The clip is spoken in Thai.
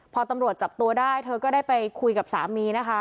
พอตำรวจจับตัวได้เธอก็ได้ไปคุยกับสามีนะคะ